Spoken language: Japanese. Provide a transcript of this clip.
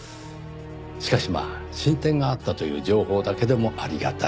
しかしまあ進展があったという情報だけでもありがたい。